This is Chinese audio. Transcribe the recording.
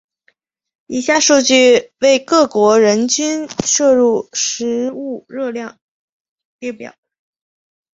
以下数据为各国人均摄入食物热量列表。